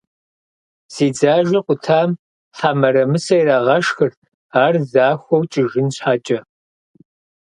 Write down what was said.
Зи дзажэ къутам хьэ мырамысэ ирагъэшхырт, ар захуэу кӀыжын щхьэкӀэ.